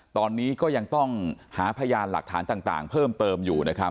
ตอนนี้ก็ยังต้องหาพยานหลักฐานต่างเพิ่มเติมอยู่นะครับ